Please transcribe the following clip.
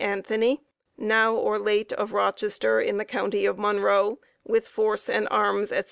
Anthony, now or late of Rochester, in the county of Monroe, with force and arms, etc.